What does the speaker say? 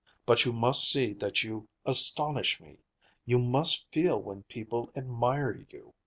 But you must see that you astonish me. You must feel when people admire you."